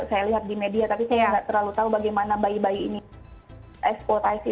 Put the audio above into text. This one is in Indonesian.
saya lihat di media tapi saya tidak terlalu tahu bagaimana bayi bayi ini eksploitasi